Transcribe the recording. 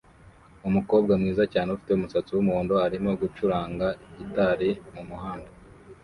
Umukobwa mwiza cyane ufite umusatsi wumuhondo arimo gucuranga gitari mumuhanda